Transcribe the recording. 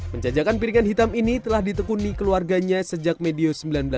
penjajakan piringan hitam ini telah ditekuni keluarganya sejak medio seribu sembilan ratus sembilan puluh